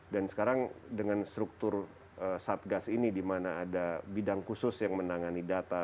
dan sekarang dengan struktur satgas ini di mana ada bidang khusus yang menangani data